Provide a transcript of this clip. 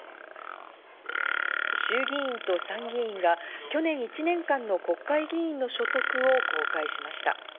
衆議院と参議院が去年１年間の国会議員の所得を公開しました。